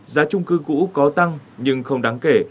giá trung cư cũ có tăng nhưng không đáng kể